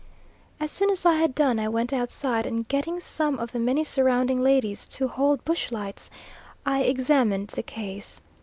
As soon as I had done I went outside, and getting some of the many surrounding ladies to hold bush lights, I examined the case.